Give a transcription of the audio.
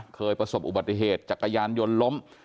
เคยประสบอุบัติเหตุจักรยานยนต์ล้ม